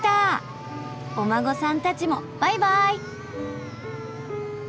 お孫さんたちもバイバーイ！